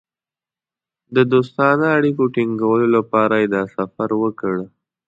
د دوستانه اړیکو ټینګولو لپاره یې دا سفر وکړ.